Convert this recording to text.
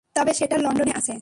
তবে সেটা লন্ডনে আছে।